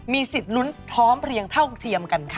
สิทธิ์ลุ้นพร้อมเพลียงเท่าเทียมกันค่ะ